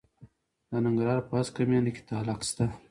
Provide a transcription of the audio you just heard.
د ننګرهار په هسکه مینه کې تالک شته.